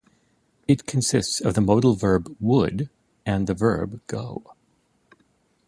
It consists of the modal verb "would" and the verb "go."